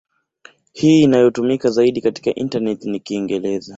Hii inayotumika zaidi katika intaneti ni Kiingereza.